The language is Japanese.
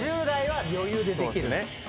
２０代は余裕でできる。